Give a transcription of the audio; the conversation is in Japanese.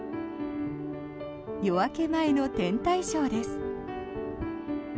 夜明け前の天体ショーです。